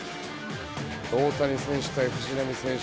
大谷選手対藤浪選手